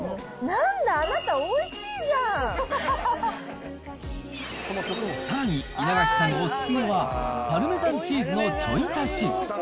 なんだ、あなた、おいしいじさらに稲垣さんお勧めは、パルメザンチーズのちょい足し。